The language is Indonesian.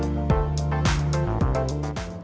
ini hanya seratus liter